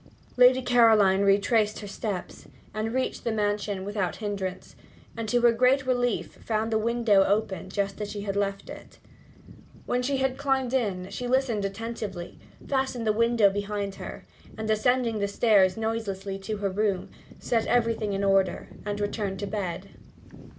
Lady Caroline retraced her steps, and reached the mansion without hindrance; and to her great relief found the window open just as she had left it. When she had climbed in she listened attentively, fastened the window behind her, and ascending the stairs noiselessly to her room, set everything in order, and returned to bed.